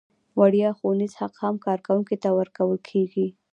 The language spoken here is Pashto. وړیا ښوونیز حق هم کارکوونکي ته ورکول کیږي.